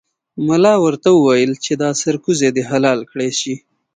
ملا ورته وویل چې دا سرکوزی دې حلال کړای شي.